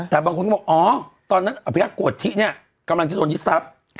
แต่บางคนก็บอกอ๋อตอนนั้นอภิรักษ์โกธิเนี่ยกำลังจะโดนยึดทรัพย์